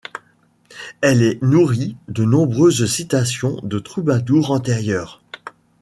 Elle est nourrie de nombreuses citations de troubadours antérieurs.